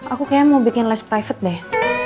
aku kayak mau bikin les private deh